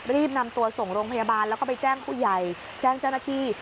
รีบนำตัวส่งโรงพยาบาลแล้วก็ไปแจ้งผู้ใหญ่แจ้งเจ้าหน้าที่